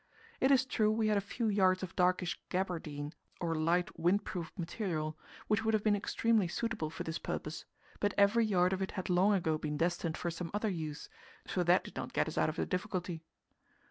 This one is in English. It is true that we had a few yards of darkish "gabardine," or light windproof material, which would have been extremely suitable for this purpose, but every yard of it had long ago been destined for some other use, so that did not get us out of the difficulty.